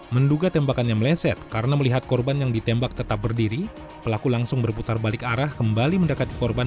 menduga tembakannya meleset karena melihat korban yang ditembak tetap berdiri pelaku langsung berputar balik arah kembali mendekati korban